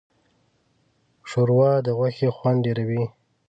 ښوروا د غوښې خوند ډېروي.